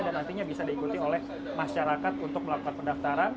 dan nantinya bisa diikuti oleh masyarakat untuk melakukan pendaftaran